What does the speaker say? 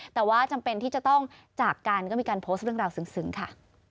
แต่ว่าจำเป็นที่จะต้องจากกันก็มีการโพสต์เรื่องราวซึ้งค่ะ